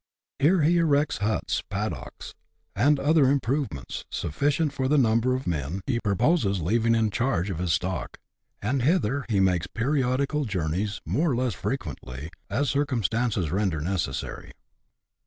Here he erects huts, paddocks, and other "improvements," suflficient for the number of men he purposes leaving in charge of his stock ; and hither he makes periodical journeys, more or less frequently, as circumstances render necessary.